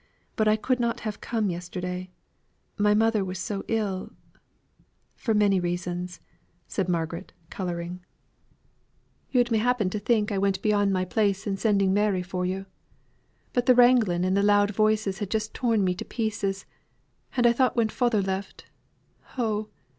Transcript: But I could not have come yesterday, my mother was so ill for many reasons," said Margaret, colouring. "Yo'd m'appen think I went beyond my place in sending Mary for yo'. But the wraglin' and the loud voices had just torn me to pieces, and I thought when father left, oh!